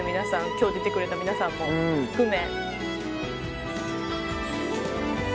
今日出てくれた皆さんも含め。